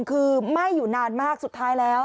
คือไหม้อยู่นานมากสุดท้ายแล้ว